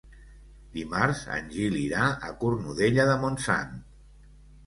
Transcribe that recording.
Dimarts en Gil irà a Cornudella de Montsant.